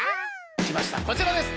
きましたこちらです。